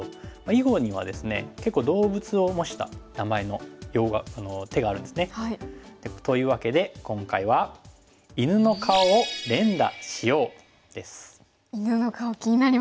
囲碁にはですね結構動物を模した名前の用語手があるんですね。というわけで今回は犬の顔気になりますね。